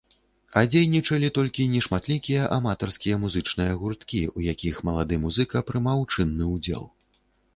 А дзейнічалі толькі нешматлікі аматарскія музычныя гурткі, у якіх малады музыка прымаў чынны ўдзел.